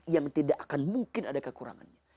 yang tidak akan mungkin ada kekurangannya